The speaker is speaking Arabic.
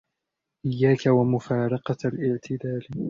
إيَّاكَ وَمُفَارَقَةَ الِاعْتِدَالِ